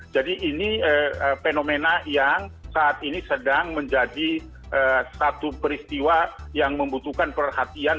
jadi ini fenomena yang saat ini sedang menjadi satu peristiwa yang membutuhkan perhatian